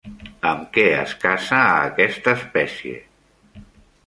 Amb què es caça a aquesta espècie?